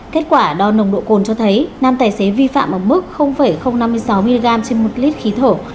kết quả đo nồng độ cồn cho thấy nam tài xế vi phạm ở mức năm mươi sáu mg trên một lít khí thổ